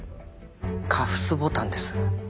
カフスボタンです。